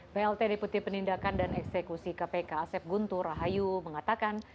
plt deputi penindakan dan eksekusi kpk asep guntur rahayu mengatakan